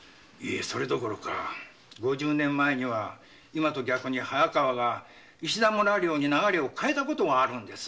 それどころか五十年前には今と逆に早川が石田村領に流れを変えたことがあるんです。